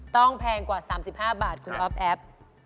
แพงกว่า๓๕บาทคุณอ๊อฟแอฟ